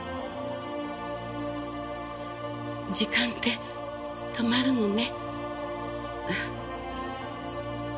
時間って止まるのね。